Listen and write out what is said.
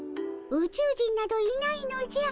ウチュウ人などいないのじゃ。